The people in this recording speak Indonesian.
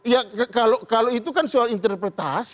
ya kalau itu kan soal interpretasi